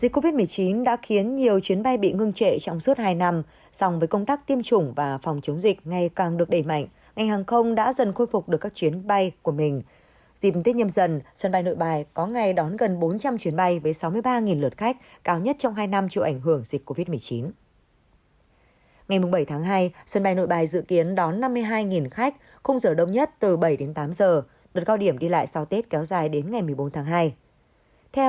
các bạn hãy đăng ký kênh để ủng hộ kênh của chúng mình nhé